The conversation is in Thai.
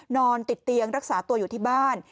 นอนติดเตียงรักษาตัวอยู่ที่บ้าน